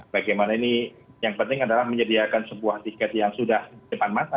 bagaimana ini yang penting adalah menyediakan sebuah tiket yang sudah di depan mata